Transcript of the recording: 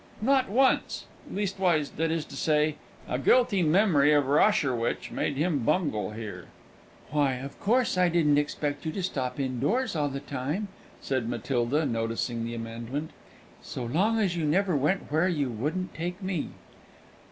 "Not once leastwise, that is to say " A guilty memory of Rosherwich made him bungle here. "Why, of course I didn't expect you to stop indoors all the time," said Matilda, noticing the amendment, "so long as you never went where you wouldn't take me."